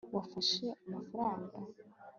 wafashe amafaranga